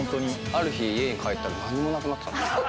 ある日、家に帰ったら、何もなくなってた。